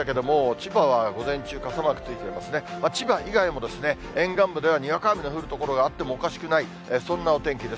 千葉以外でも、沿岸部では、にわか雨の降る所があってもおかしくない、そんなお天気です。